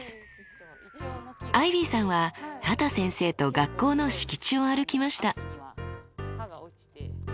アイビーさんは畑先生と学校の敷地を歩きました。